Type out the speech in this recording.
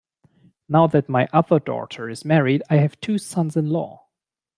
Now that my other daughter is married I have two sons-in-law.